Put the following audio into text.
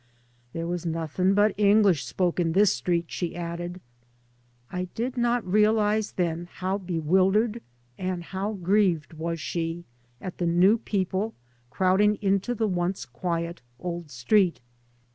" There was nothing but English spoke in this street," she added. I did not realise then how be wildered and how grieved was she at the new people crowding into the once quiet old street.